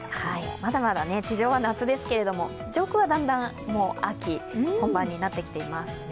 まだまだ地上は夏ですけれども、上空はだんだん秋本番になってきています。